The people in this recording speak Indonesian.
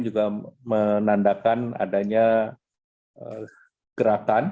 juga menandakan adanya gerakan